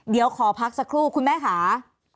เดี๋ยวขอพักสักครู่คุณแม่ค่ะ